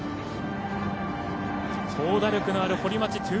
長打力のある堀町。